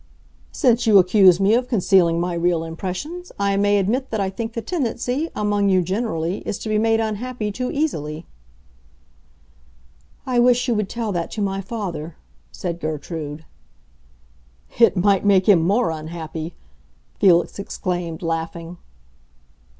"Since you accuse me of concealing my real impressions, I may admit that I think the tendency—among you generally—is to be made unhappy too easily." "I wish you would tell that to my father," said Gertrude. "It might make him more unhappy!" Felix exclaimed, laughing.